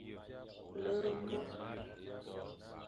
Lere mor.